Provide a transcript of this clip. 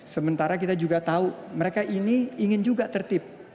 sementara kita juga tahu mereka ini ingin juga tertib